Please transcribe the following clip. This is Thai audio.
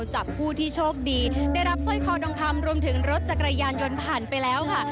เชิญเลยค่ะ